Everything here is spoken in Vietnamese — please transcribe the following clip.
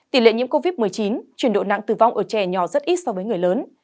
tỷ lệ nhiễm covid một mươi chín chuyển độ nặng tử vong ở trẻ nhỏ rất ít so với người lớn